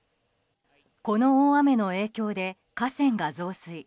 この大雨の影響で河川が増水。